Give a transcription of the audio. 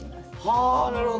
はなるほど！